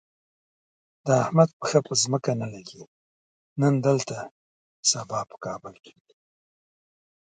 د احمد پښه په ځمکه نه لږي، نن دلته سبا په کابل وي.